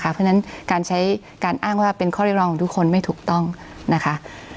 เพราะฉะนั้นการใช้การอ้างว่าเป็นข้อเรียกร้องของทุกคนไม่ถูกต้องนะคะ